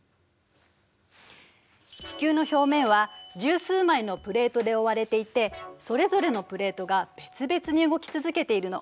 地球の表面は十数枚のプレートでおおわれていてそれぞれのプレートが別々に動き続けているの。